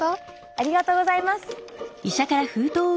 ありがとうございます！